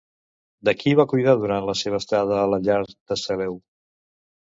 De qui va cuidar durant la seva estada a la llar de Celeu?